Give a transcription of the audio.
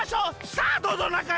さあどうぞなかへ！